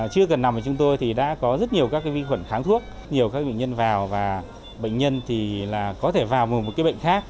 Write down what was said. chưa cần nằm ở chúng tôi thì đã có rất nhiều các vi khuẩn kháng thuốc nhiều các bệnh nhân vào và bệnh nhân thì có thể vào một bệnh khác